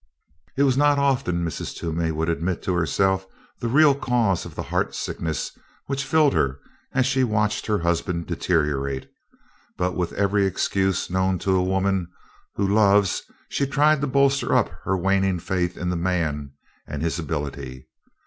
It was not often Mrs. Toomey would admit to herself the real cause of the heartsickness which filled her as she watched her husband deteriorate, but with every excuse known to a woman who loves she tried to bolster up her waning faith in the man and his ability.